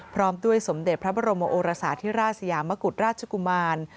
พร้อมด้วยสมเด็จพระบรมโอรสาธิราชสยามกุฎราชกุมาร